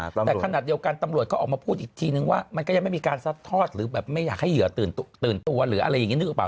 แต่ขณะเดียวกันตำรวจก็ออกมาพูดอีกทีนึงว่ามันก็ยังไม่มีการซัดทอดหรือแบบไม่อยากให้เหยื่อตื่นตัวหรืออะไรอย่างนี้นึกออก